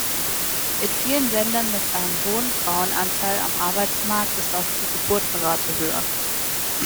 In vielen Ländern mit einem hohen Frauenanteil am Arbeitsmarkt ist auch die Geburtenrate höher.